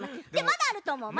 まだあるとおもう。